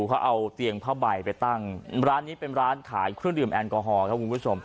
เขาเอาเตียงผ้าใบไปตั้งร้านนี้เป็นร้านขายเครื่องดื่มแอลกอฮอล์ครับคุณผู้ชม